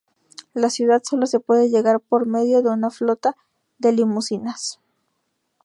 La ciudad sólo se puede llegar por medio de una flota de limusinas.